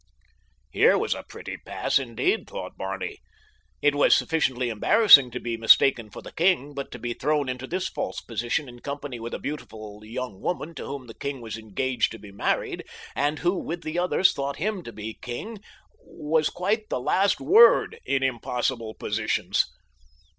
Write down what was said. Here was a pretty pass, indeed, thought Barney. It was sufficiently embarrassing to be mistaken for the king, but to be thrown into this false position in company with a beautiful young woman to whom the king was engaged to be married, and who, with the others, thought him to be the king, was quite the last word in impossible positions.